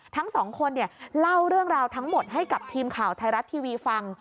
ทั้งสองคนเล่าเรื่องราวทั้งหมดให้กับทีมข่าวไทยรัฐทีวีฟัง